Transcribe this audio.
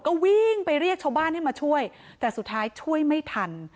ก็วิ่งไปเรียกชาวบ้านให้มาช่วยแต่สุดท้ายช่วยไม่ทัน